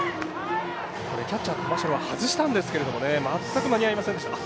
キャッチャー、玉城は外したんですが間に合いませんでした。